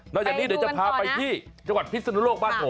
หลังจากนี้เดี๋ยวจะพาไปที่จังหวัดพิศนุโลกบ้านผม